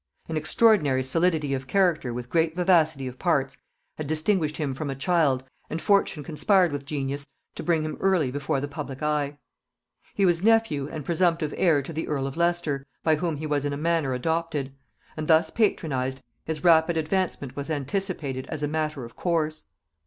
An extraordinary solidity of character with great vivacity of parts had distinguished him from a child, and fortune conspired with genius to bring him early before the public eye. He was nephew and presumptive heir to the earl of Leicester, by whom he was in a manner adopted; and thus patronized, his rapid advancement was anticipated as a matter of course.